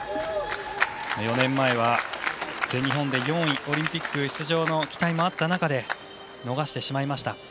４年前は全日本で４位オリンピック出場の期待もあった中で逃してしまいました。